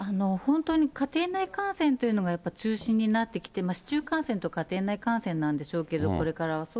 本当に家庭内感染というのがやっぱり中心になってきてますし、市中感染と家庭内感染なんでしょうけれども、これからは。